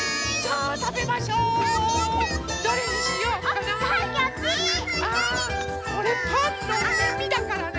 あこれパンのみみだからね。